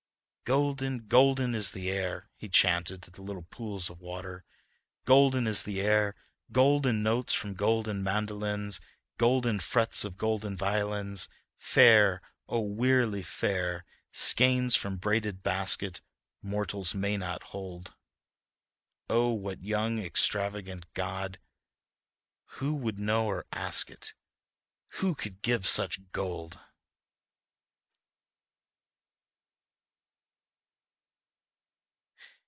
"Golden, golden is the air—" he chanted to the little pools of water. ... "Golden is the air, golden notes from golden mandolins, golden frets of golden violins, fair, oh, wearily fair.... Skeins from braided basket, mortals may not hold; oh, what young extravagant God, who would know or ask it?... who could give such gold..."